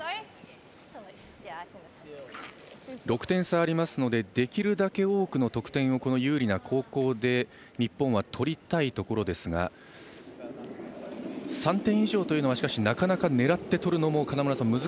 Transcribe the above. ６点差がありますのでできるだけ多くの得点をこの有利な後攻で日本は取りたいところですが３点以上は、しかし狙って取るのも金村さん